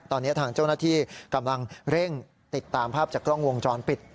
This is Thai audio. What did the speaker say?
ตอนนี้ทางเจ้าหน้าที่กำลังเร่งติดตามภาพจากกล้องวงจรปิด